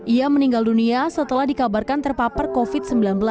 ia meninggal dunia setelah dikabarkan terpapar covid sembilan belas